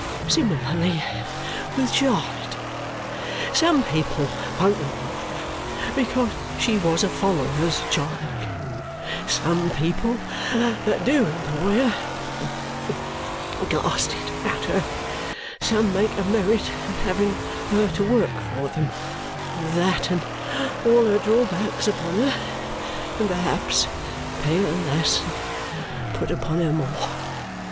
Similarly with Charlotte. Some people won't employ her because she was a follerer's child; some people that do employ her cast it at her; some make a merit of having her to work for them, with that and all her draw backs upon her, and perhaps pay her less and put upon her more.